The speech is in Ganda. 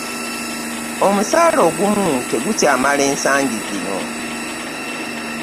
Omusaala ogumu tegukyamala ensangi zino.